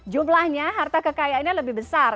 jumlahnya harta kekayaannya lebih besar